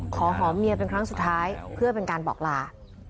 ขอหอมเมียเป็นครั้งสุดท้ายเพื่อเป็นการบอกลา